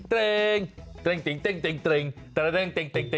ตรงตรงตรง